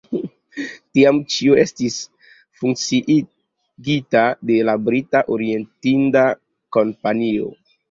Tiam ĉio estis funkciigita de la Brita Orienthinda Kompanio.